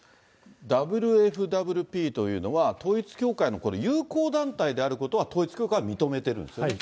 ＷＦＷＰというのは、統一教会のこれ、友好団体であることは、統一教会は認めてるんですよね。